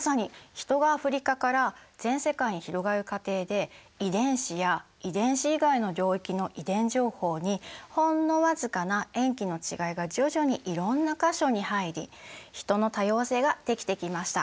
ヒトがアフリカから全世界に広がる過程で遺伝子や遺伝子以外の領域の遺伝情報にほんの僅かな塩基の違いが徐々にいろんな箇所に入りヒトの多様性ができてきました。